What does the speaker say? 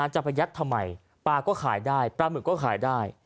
จะไปยัดทำไมปลาก็ขายได้ปลาหมึกก็ขายได้